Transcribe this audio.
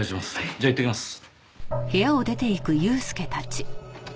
じゃあいってきます。